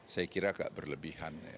saya kira tidak berlebihan